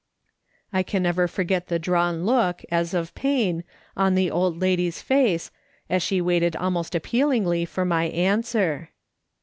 " I can never forget the drawn look, as of pain, on the old lady's face, as she waited almost appealingly for my answer.